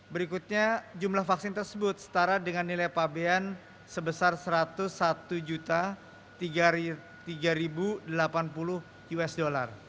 berikutnya jumlah vaksin tersebut setara dengan nilai pabean sebesar satu ratus satu tiga delapan puluh usd